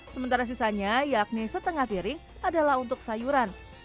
sementara sisanya yakni setengah piring adalah untuk sayuran